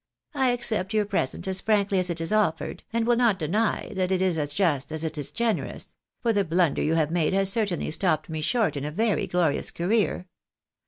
I accept your present as frankly as it is offered, and will not deny that it is as just as it is generous ; for the blunder you have made has certainly stopped me short in a very glorious career.